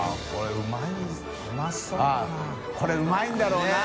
海うまいんだろうなあ